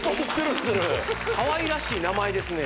かわいらしい名前ですね